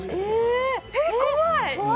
ええ、怖い！